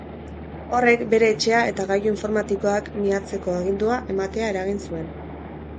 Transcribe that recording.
Horrek, bere etxea eta gailu informatikoak miatzeko agindua ematea eragin zuen.